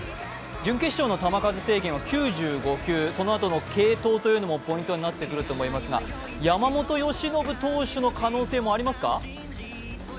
準決勝の球数制限は９５球、そのあとの継投というのもポイントになってくると思いますが山本由伸投手の可能性もありますか？